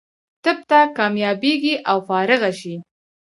طب ته کامیابېږي او فارغه شي.